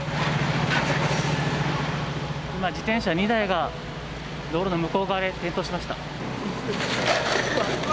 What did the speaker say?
今、自転車２台が、道路の向こう側で転倒しました。